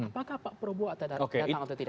apakah pak prabowo datang atau tidak